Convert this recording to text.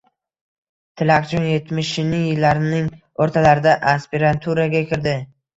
Tilakjon yetmishinchi yillarning o‘rtalarida aspiranturaga kirdi.